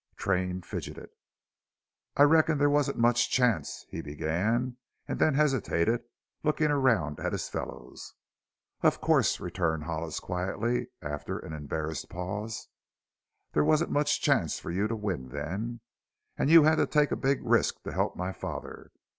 Train fidgeted. "I reckon they wasn't much chance " he began, and then hesitated, looking around at his fellows. "Of course," returned Hollis quietly, after an embarrassed pause, "there wasn't much chance for you to win then. And you had to take a big risk to help my father.